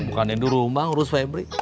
bukan yang di rumah ngurus febri